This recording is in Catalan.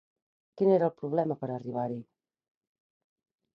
Quin era el problema per arribar-hi?